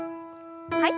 はい。